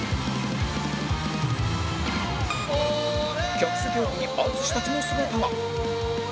客席奥に淳たちの姿が